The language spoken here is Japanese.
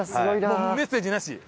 もうメッセージなし？